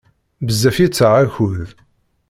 Bezzef yettaɣ akud.